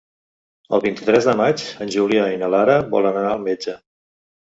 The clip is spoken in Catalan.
El vint-i-tres de maig en Julià i na Lara volen anar al metge.